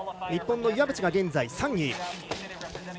日本の岩渕が、現在３位。